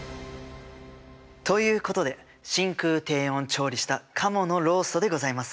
ということで真空低温調理したカモのローストでございます。